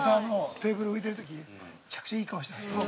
テーブル浮いてるとき、めちゃくちゃいい顔してましたよ。